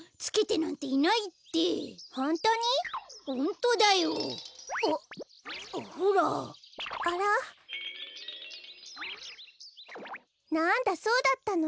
なんだそうだったの。